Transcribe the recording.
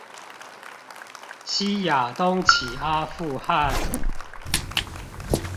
西亞東起阿富汗